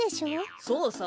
そうさ。